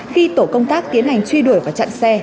khi tổ công tác tiến hành truy đuổi và chặn xe